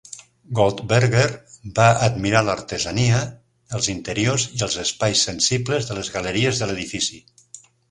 Goldberger va admirar l'artesania, els interiors i els espais sensibles de les galeries de l'edifici.